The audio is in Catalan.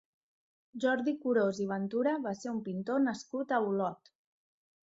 Jordi Curós i Ventura va ser un pintor nascut a Olot.